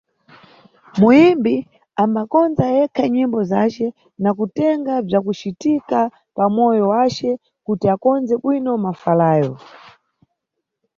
Muyimbi ambakondza yekha nyimbo zace na kutenga bzwakucitika pamoyo wace kuti akondze bwino mafalayo.